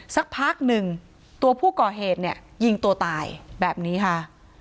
สักพักหนึ่งตัวผู้ก่อเหตุเนี่ยยิงตัวตายแบบนี้ค่ะ